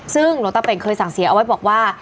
ซึ่งหลวงตาเป่งเคยสั่งเสียเอาไว้บอกว่า